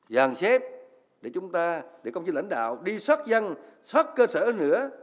dàn xếp để chúng ta để công chức lãnh đạo đi xót dân xót cơ sở nữa